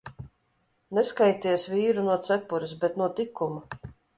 Neskaities vīru no cepures, bet no tikuma.